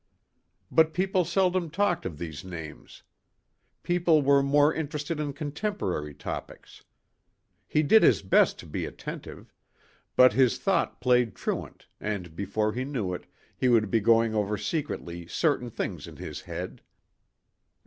But people seldom talked of these names. People were more interested in contemporary topics. He did his best to be attentive. But his thought played truant and before he knew it he would be going over secretly certain things in his head.